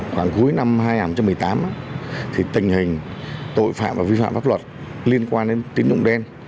khoảng cuối năm hai nghìn một mươi tám tình hình tội phạm và vi phạm pháp luật liên quan đến tín dụng đen